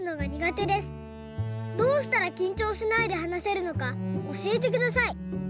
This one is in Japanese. どうしたらきんちょうしないではなせるのかおしえてください」。